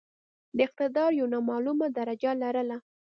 د اقتدار یو نامعموله درجه لرله.